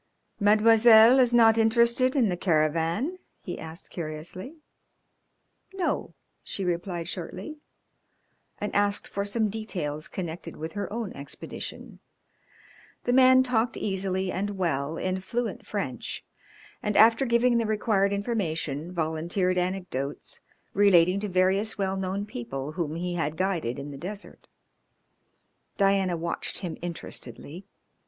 "Mademoiselle is not interested in the caravan?" he asked curiously. "No," she replied shortly, and asked for some details connected with her own expedition. The man talked easily and well, in fluent French, and after giving the required information, volunteered anecdotes relating to various well known people whom he had guided in the desert. Diana watched him interestedly.